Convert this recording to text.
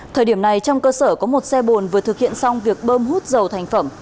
thời điểm này trong cơ sở có một xe bồn vừa thực hiện xong việc bơm hút dầu thành phẩm